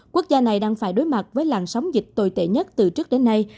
quốc gia này đang phải đối mặt với làn sóng dịch tồi tệ nhất từ trước đến nay